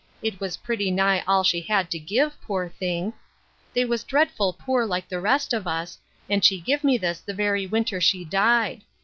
It was pretty nigh all she had to give, poor thing I They was dreadful poor like the rest of us, and she give me this the very winter she died.